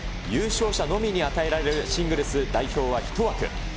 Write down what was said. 優勝者のみに与えられるシングルス代表は１枠。